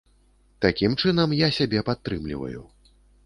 Такім чынам я сябе падтрымліваю.